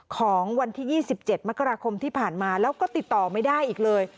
ของวันที่๒๗มกราคมที่ผ่านมาแล้วก็ติดต่อไม่ได้อีกเลย